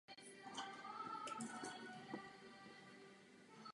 V obou stanicích zastavují pouze osobní vlaky.